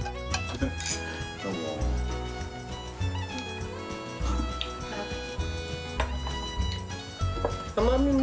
どうも。